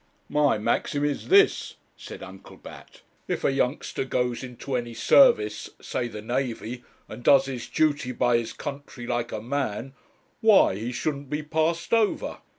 'My maxim is this,' said Uncle Bat; 'if a youngster goes into any service, say the navy, and does his duty by his country like a man, why, he shouldn't be passed over.